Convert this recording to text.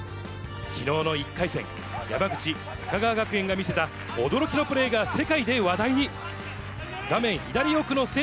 きのうの１回戦、山口・高川学園が見せた驚きのプレーが世界で話題に。